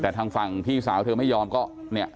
แต่ทางฝั่งพี่สาวเธอไม่ยอมก็เนี่ย